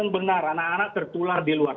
benar anak anak tertular di luar